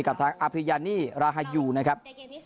กับทางอาพริยานี่ราฮายูนะครับ